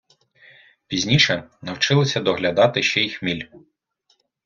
Пізніше навчилися доглядати ще й хміль.